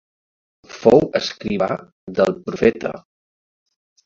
Fou escrivà del Profeta.